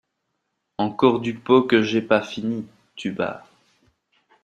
Encore du pot que j’aie pas fini tubard.